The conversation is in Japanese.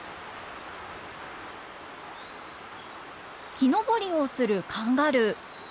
木登りをするカンガルー。